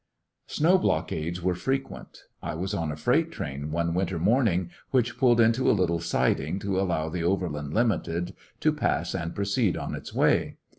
Snow blockades were frequent. I was on TheOveriand a freight train, one winter morning, which pulled into a little siding to allow the Over land Limited to pass and proceed on its way.